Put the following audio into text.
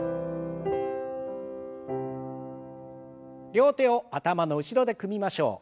両手を頭の後ろで組みましょう。